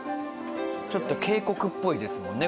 ちょっと警告っぽいですもんね